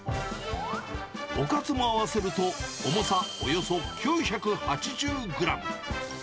おかずも合わせると、重さおよそ９８０グラム。